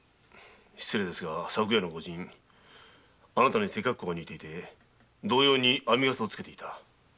失礼ですが昨夜の御仁あなたに背格好が似ており同様に編笠を着けていた。